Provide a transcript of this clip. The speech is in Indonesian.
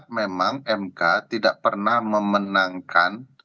memang mk tidak pernah memenangkan